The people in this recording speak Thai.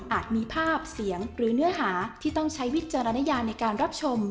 มีภาพเสียงหรือเนื้อหาที่ต้องใช้วิจารณญาในการรับชม